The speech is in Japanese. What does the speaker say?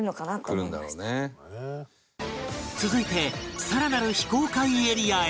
続いて更なる非公開エリアへ